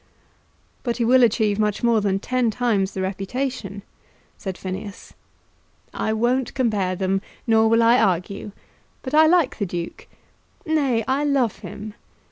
"But he will achieve much more than ten times the reputation," said Phineas. "I won't compare them, nor will I argue; but I like the Duke. Nay; I love him.